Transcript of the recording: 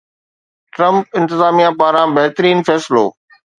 Trump انتظاميه پاران بهترين فيصلو